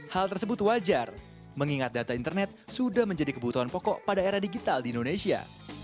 hal tersebut wajar mengingat data internet sudah menjadi kebutuhan pokok pada era digital di indonesia